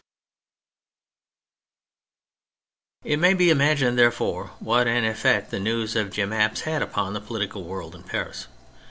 THE MILITARY ASPECT 167 It may be imagined, therefore, what an effect the news of Jemappes had upon the poHtical world in Paris.